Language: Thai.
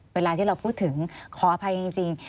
เวลาที่เราพูดถึงขออภัยจริง